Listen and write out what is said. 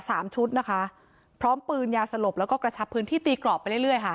สามชุดนะคะพร้อมปืนยาสลบแล้วก็กระชับพื้นที่ตีกรอบไปเรื่อยเรื่อยค่ะ